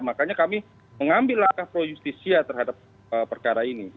makanya kami mengambil langkah projustisia terhadap perkara ini